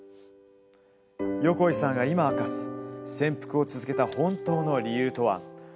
横井さんが今明かす潜伏を続けた本当の理由とは。